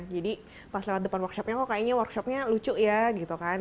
jadi pas lewat depan workshopnya kok kayaknya workshopnya lucu ya gitu kan